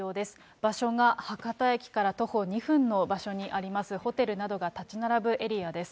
場所が博多駅から徒歩２分の場所にあります、ホテルなどが建ち並ぶエリアです。